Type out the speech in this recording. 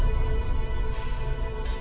nek ini gayungnya nek